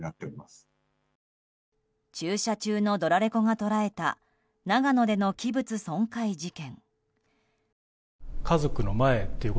駐車中のドラレコが捉えた長野での器物損壊事件。